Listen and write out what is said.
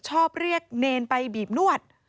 ชอบเรียกเนรไปบีบนวด